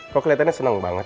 kok kelihatannya seneng banget